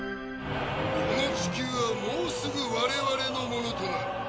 この地球はもうすぐ我々のものとなる。